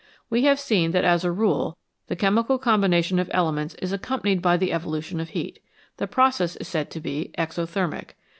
We have seen that as a rule the chemical combination of elements is accompanied by the evolution of heat ; the process is said to be " exothermic."